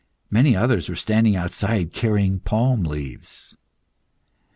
Many others were standing outside, carrying palm leaves.